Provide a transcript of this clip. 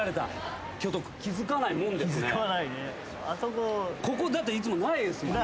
ここだっていつもないんですもんね。